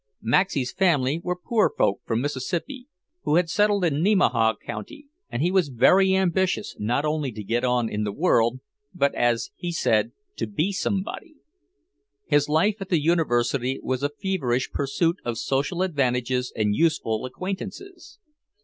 Maxey's family were poor folk from Mississippi, who had settled in Nemaha county, and he was very ambitious, not only to get on in the world, but, as he said, to "be somebody." His life at the University was a feverish pursuit of social advantages and useful acquaintances.